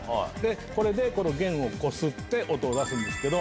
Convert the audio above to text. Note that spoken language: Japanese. これで弦をこすって音を出すんですけど。